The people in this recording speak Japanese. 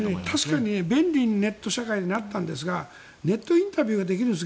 確かに便利な社会になったんですがネットインタビューができるんです